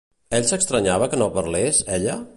Ell s'estranyava que no parlés, ella?